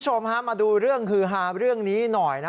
คุณผู้ชมฮะมาดูเรื่องฮือฮาเรื่องนี้หน่อยนะ